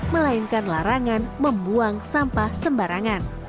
melainkan larangan membuang sampah sembarangan